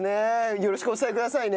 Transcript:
よろしくお伝えくださいね。